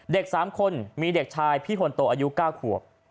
๓คนมีเด็กชายพี่คนโตอายุ๙ขวบ